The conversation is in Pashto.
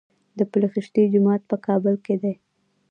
د پل خشتي جومات په کابل کې دی